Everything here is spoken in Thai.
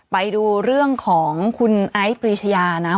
ไปดูเรื่องของคุณไอซ์ปรีชยานะ